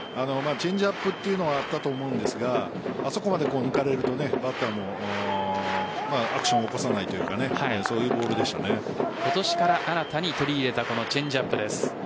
チェンジアップというのはあったと思うんですがあそこまで抜かれるとバッターもアクションを起こさないというか今年から新たに取り入れたこのチェンジアップです。